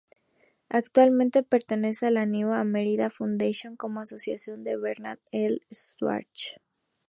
Actualmente pertenece a la New America Foundation como asociada de Bernard L. Schwartz.